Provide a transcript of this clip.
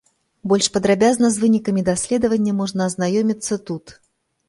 Больш падрабязна з вынікамі даследавання можна азнаёміцца тут.